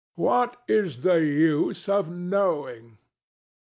What is the use of knowing?